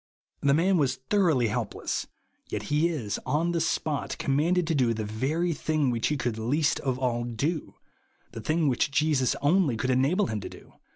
The man was thoroughly helpless, yet he is, on the spot, commanded to do the very thing which he could least of all do, the thing which Jesus only could enable him to do.